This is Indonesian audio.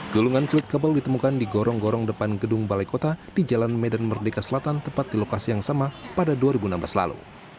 gulungan kulit kabel ditemukan di gorong gorong depan gedung balai kota di jalan medan merdeka selatan tepat di lokasi yang sama pada dua ribu enam belas lalu